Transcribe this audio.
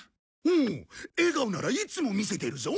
おう笑顔ならいつも見せてるぞ。